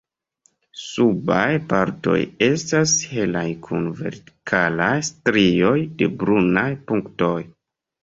Subaj partoj estas helaj kun vertikalaj strioj de brunaj punktoj.